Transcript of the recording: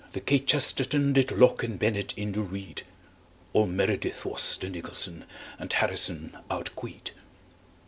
The kchesterton Did locke and bennett in the reed. All meredith was the nicholson, And harrison outqueed.